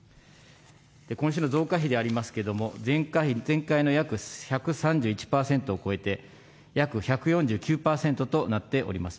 今週の増加比でありますけれども、前回の約１３１％を超えて、約１４９％となっております。